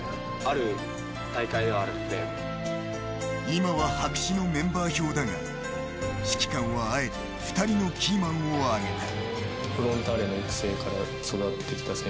今は白紙のメンバー表だが指揮官はあえて２人のキーマンを挙げた。